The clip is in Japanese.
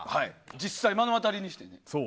実際目の当たりにした。